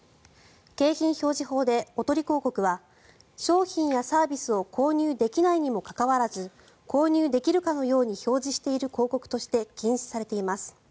景品表示法で、おとり広告は商品やサービスを購入できないにもかかわらず購入できるかのように表示している広告として禁止されています。